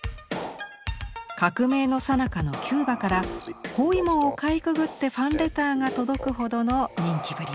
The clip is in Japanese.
革命のさなかのキューバから包囲網をかいくぐってファンレターが届くほどの人気ぶり。